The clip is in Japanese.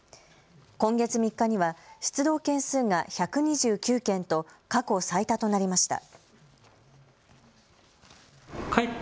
今月３日には出動件数が１２９件と過去最多となりました。